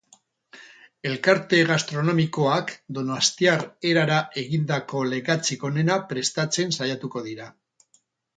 Elkarte gastronomikoak donostiar erara egindako legatzik onena prestatzen saiatuko dira.